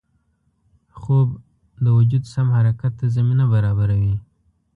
خوب د وجود سم حرکت ته زمینه برابروي